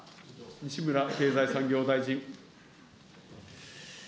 西村経済産業大臣。